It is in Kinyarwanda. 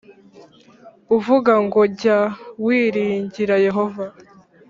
uvuga ngo Jya wiringira Yehova